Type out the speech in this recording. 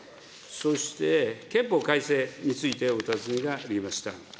そして憲法改正についてお尋ねがありました。